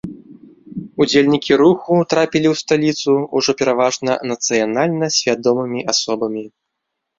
Удзельнікі руху трапілі ў сталіцу ўжо пераважна нацыянальна свядомымі асобамі.